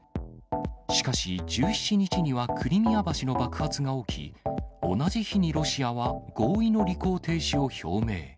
しかし、１７日にはクリミア橋の爆発が起き、同じ日にロシアは合意の履行停止を表明。